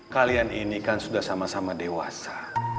kalian ini kan sudah sama sama dewasa